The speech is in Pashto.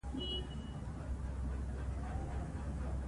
دوی د خپلې سيمې لپاره دروغ جوړ کړل.